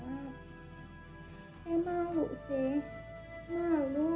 hai emak lu sih malu